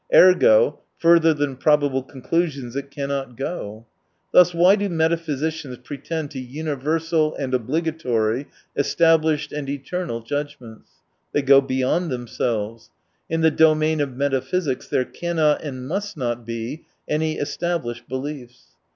Ergo — further than probable conclusions it cannot go. Thus why do metaphysicians pretend tg universal and obligatory, established and eternal Judgments ? They go beyond them selves. In the domain of metaphysics there cannot and must not be any established beliefs.